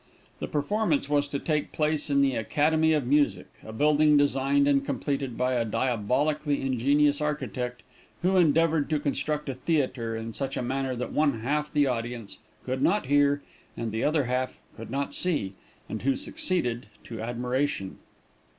The performance was to take place in the Academy of Music, a building designed and completed by a diabolically ingenious architect, who endeavored to construct a theatre in such a manner that one half the audience could not hear, and the other half could not see, and who succeeded to admiration.